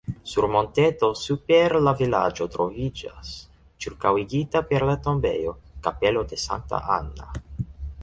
Sur monteto super la vilaĝo troviĝas, ĉirkaŭigita per la tombejo, kapelo de Sankta Anna.